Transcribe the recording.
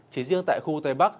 chỉ riêng tại khu tây bắc